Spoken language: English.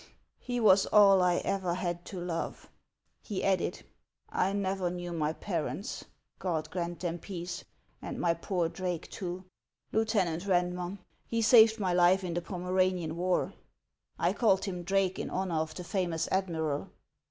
" He was all I ever had to love," he added ;" I never knew my parents. God grant them peace, and my poor Drake too ! Lieutenant liandmer, he saved my life in the Pomeranian war. I called him Drake in honor of the famous admiral.